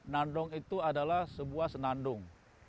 nandong itu adalah sebuah senandung